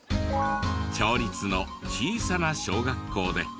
町立の小さな小学校で。